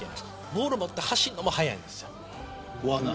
ボールを持って走るのも速いんです。